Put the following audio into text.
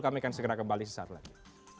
kami akan segera kembali sesaat lagi